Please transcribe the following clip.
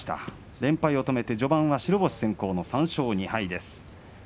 連敗を止めて序盤は白星先行の３勝２敗です。